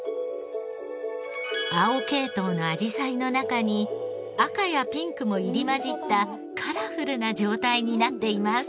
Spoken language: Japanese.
青系統のあじさいの中に赤やピンクも入り交じったカラフルな状態になっています。